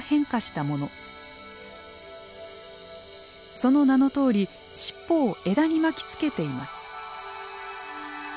その名のとおり尻尾を枝に巻きつけています。